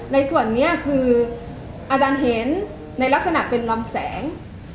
ในส่วนนี้คืออาจารย์เห็นในลักษณะเป็นลำแสง